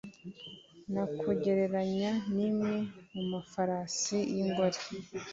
nakugereranya n’imwe mu mafarasi y’ingore,